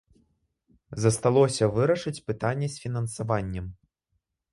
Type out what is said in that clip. Засталося вырашыць пытанне з фінансаваннем.